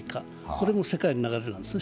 これも世界の流れなんですね。